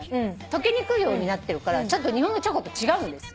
溶けにくいようになってるから日本のチョコと違うんです。